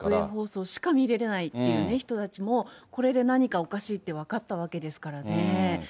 国営放送しか見れないという人たちも、これで何かおかしいって分かったわけですからね。